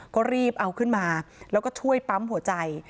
ก็รีบเอาขึ้นมาแล้วก็ช่วยปั๊มหัวใจ